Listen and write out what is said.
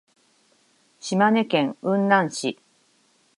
島根県雲南市